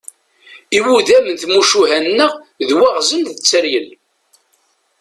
Iwudam n tmucuha-nneɣ d waɣzen d tteryel.